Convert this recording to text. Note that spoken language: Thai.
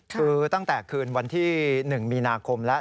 คือตั้งแต่คืนวันที่๑มีนาคมแล้ว